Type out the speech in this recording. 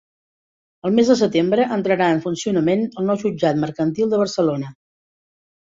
El mes de setembre entrarà en funcionament el nou Jutjat Mercantil de Barcelona.